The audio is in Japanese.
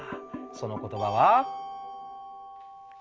その言葉は。